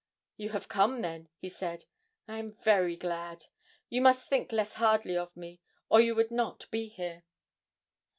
'You have come then,' he said; 'I am very glad. You must think less hardly of me or you would not be here.'